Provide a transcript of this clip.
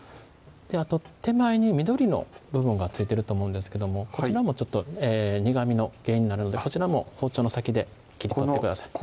あと手前に緑の部分が付いてると思うんですけどもこちらもちょっと苦みの原因になるのでこちらも包丁の先で切り取ってください